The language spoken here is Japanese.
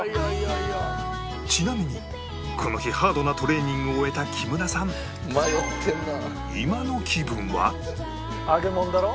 ちなみにこの日ハードなトレーニングを終えた木村さん揚げ物だろ？